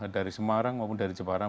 dari semarang maupun jepang